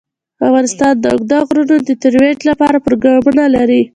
افغانستان د اوږده غرونه د ترویج لپاره پروګرامونه لري.